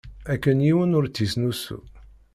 Akken yiwen ur tt-isnusu.